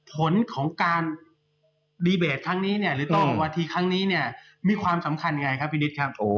ผลของการดีเบสครั้งนี้อย่างไรมีความสำคัญไงครับพี่นิตครับ